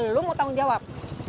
lo mau tanggung jawab